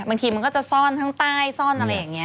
บางทีมันก็จะซ่อนทั้งใต้ซ่อนอะไรอย่างนี้